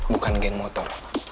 bukan geng motor